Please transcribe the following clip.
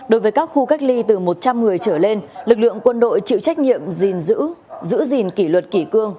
đối với các khu cách ly từ một trăm linh người trở lên lực lượng quân đội chịu trách nhiệm gìn giữ giữ gìn kỷ luật kỷ cương